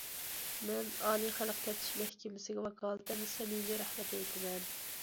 مەن ئالىي خەلق تەپتىش مەھكىمىسىگە ۋاكالىتەن سەمىمىي رەھمەت ئېيتىمەن!